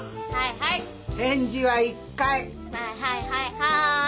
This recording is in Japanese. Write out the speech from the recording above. はいはいはいはい！